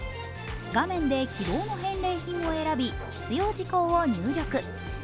画面で希望の返礼品を選び必要事項を入力。